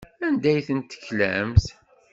Anda ay ten-teklamt?